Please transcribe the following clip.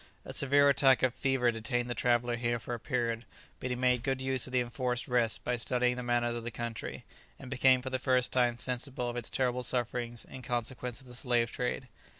A severe attack of fever detained the traveller here for a period, but he made good use of the enforced rest by studying the manners of the country, and became for the first time sensible of its terrible sufferings in consequence of the slave trade.